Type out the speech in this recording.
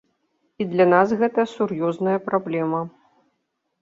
І для нас гэта сур'ёзная праблема.